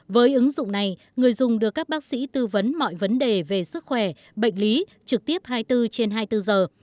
với ứng dụng này người dùng được các bác sĩ tư vấn mọi vấn đề về sức khỏe bệnh lý trực tiếp hai mươi bốn trên hai mươi bốn giờ